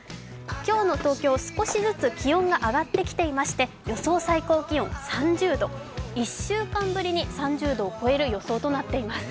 今日の東京、少しずつ気温が上がってきていまして、予想最高気温３０度、１週間ぶりに３０度を超える予想となっています。